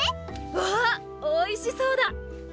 わあおいしそうだ！